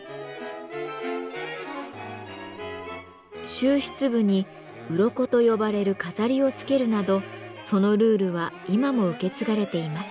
終筆部に「鱗」と呼ばれる飾りをつけるなどそのルールは今も受け継がれています。